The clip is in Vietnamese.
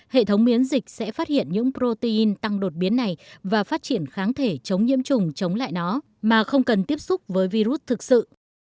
hệ thống miễn dịch sẽ phát hiện những protein tăng đột biến này và phát triển kháng thể chống nhiễm trùng chống lại nó mà không cần tiếp xúc với virus thực sự